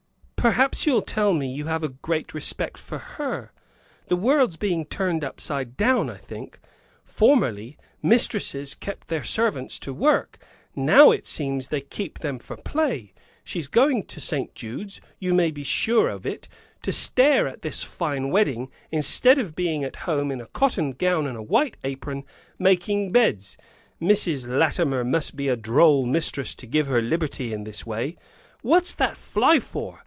"Perhaps you'll tell me you have a respect for her! The world's being turned upside down, I think. Formerly, mistresses kept their servants to work; now it seems they keep them for play! She's going to St. Jude's, you may be sure of it, to stare at this fine wedding, instead of being at home, in a cotton gown and white apron, making beds. Mrs. Latimer must be a droll mistress, to give her liberty in this way. What's that fly for?"